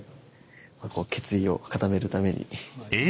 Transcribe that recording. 決意を固めるために。